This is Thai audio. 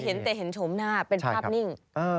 เห็นแต่เห็นโฉมหน้าเป็นภาพนิ่ง